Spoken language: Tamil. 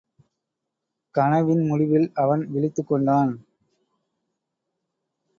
கனவின் முடிவில் அவன் விழித்துக் கொண்டான்.